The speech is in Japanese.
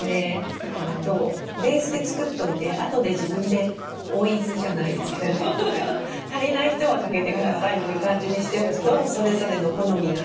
あとベースで作っといてあとで自分で追い酢じゃないですけど足りない人はかけてくださいっていう感じにしておくとそれぞれの好みが。